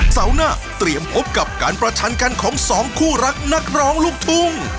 เสาร์หน้าเตรียมพบกับการประชันกันของสองคู่รักนักร้องลูกทุ่ง